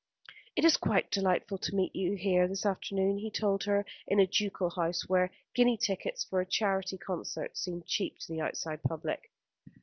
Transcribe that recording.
"It is quite delightful to meet you here this afternoon," he told her, in a ducal house where guinea tickets for a charity concert seemed cheap to the outside public.